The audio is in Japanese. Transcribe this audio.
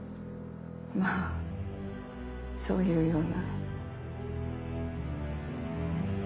まぁそういうような。